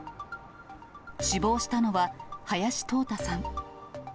死亡したのは、林透太さん。